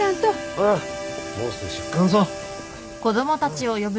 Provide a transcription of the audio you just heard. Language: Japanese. ほらもうすぐ出棺ぞ。